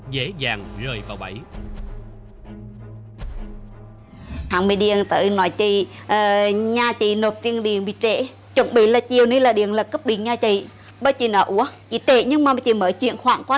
dễ dàng rời vào bẫy